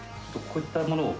こういったものを。